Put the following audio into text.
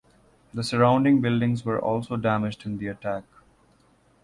The surrounding buildings were also damaged in the attack.